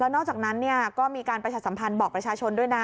นอกจากนั้นก็มีการประชาสัมพันธ์บอกประชาชนด้วยนะ